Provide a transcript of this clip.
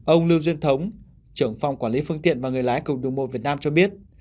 ông lưu duyên thống trưởng phòng quản lý phương tiện và người lái cùng đường bộ việt nam cho biết